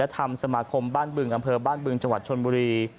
ธรรมสมาคมบ้านบึงอำเภอบ้านบึงจังหวัดชนบุรี